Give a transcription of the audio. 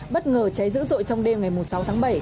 bất ngờ cháy dữ dội trong đêm ngày sáu tháng bảy